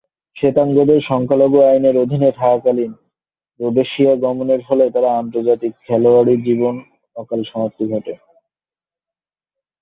শ্বেতাঙ্গদের সংখ্যালঘু আইনের অধীনে থাকাকালীন রোডেশিয়া গমনের ফলে তার আন্তর্জাতিক খেলোয়াড়ী জীবনে অকাল সমাপ্তি ঘটে।